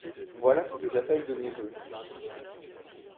Voilà ce que j’appelle de mes vœux.